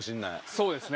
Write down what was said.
そうですね。